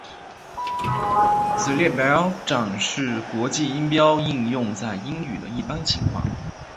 此列表展示国际音标应用在英语的一般情况。